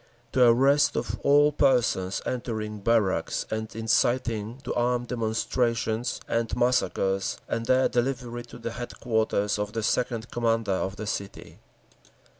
The arrest of all persons entering barracks and inciting to armed demonstrations and massacres, and their delivery to the headquarters of the Second Commander of the city.